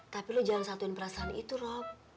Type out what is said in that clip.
tapi lu jangan satuin perasaan itu rob